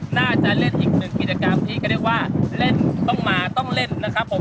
น่าจะเล่นอีกหนึ่งกิจกรรมที่ก็เรียกว่าเล่นต้องมาต้องเล่นนะครับผม